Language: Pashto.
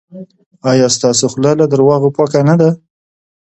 ایا ستاسو خوله له درواغو پاکه نه ده؟